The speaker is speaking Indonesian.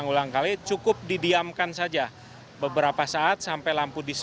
untuk mensosialisasi kondisi